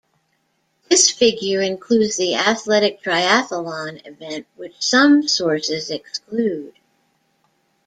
This figure includes the athletic triathlon event, which some sources exclude.